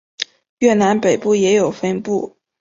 越南北部也有分布。